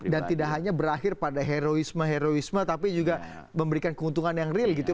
dan tidak hanya berakhir pada heroisme heroisme tapi juga memberikan keuntungan yang real gitu